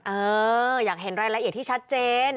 เอออยากเห็นรายละเอียดที่ชัดเจน